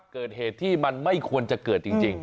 เกิดเหตุที่มันไม่ควรจะเกิดจริง